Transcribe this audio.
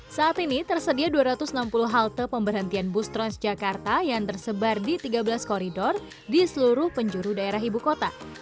saat ini tersedia dua ratus enam puluh halte pemberhentian bus transjakarta yang tersebar di tiga belas koridor di seluruh penjuru daerah ibu kota